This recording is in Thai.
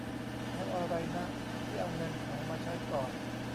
แล้วอะไรนะ ที่เอาเงินเขามาใช้ก่อน